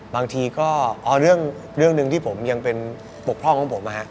บางทีก็เรื่องหนึ่งที่ผมยังเป็นปกพร่องของผม